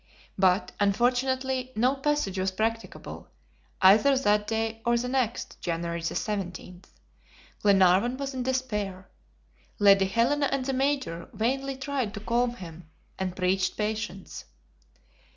But, unfortunately, no passage was practicable, either that day or the next (January 17); Glenarvan was in despair. Lady Helena and the Major vainly tried to calm him, and preached patience.